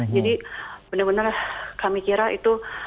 jadi benar benar kami kira itu